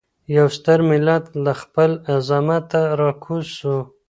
يو ستر ملت له خپل عظمته راکوز سو.